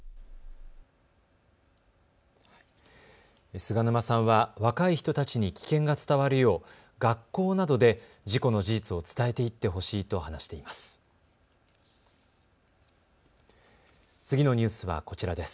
菅沼さんは若い人たちに危険が伝わるよう学校などで事故の事実を伝えていってほしいと話しています。